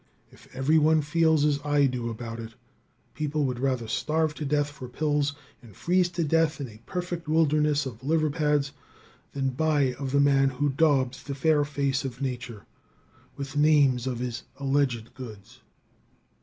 If everyone feels as I do about it, people would rather starve to death for pills and freeze to death in a perfect wilderness of liver pads than buy of the man who daubs the fair face of nature with names of his alleged goods.